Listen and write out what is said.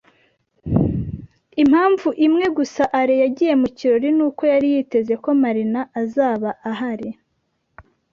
Impamvu imwe gusa Alain yagiye mu kirori nuko yari yiteze ko Marina azaba ahari.